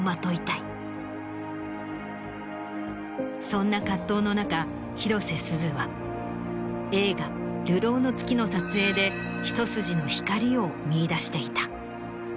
そんな葛藤の中広瀬すずは映画『流浪の月』の撮影で一筋の光を見いだしていた。